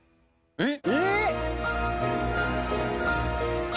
えっ？